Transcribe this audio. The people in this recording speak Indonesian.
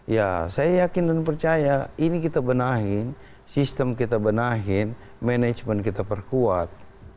ya saya yakin dan percaya ini kita benahin sistem kita benahin manajemen kita perkuat